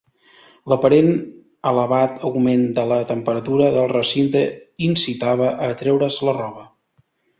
L'aparent elevat augment de la temperatura del recinte incitava a treure's la roba.